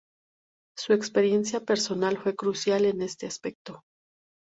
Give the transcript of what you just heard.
Su experiencia personal fue crucial en este aspecto.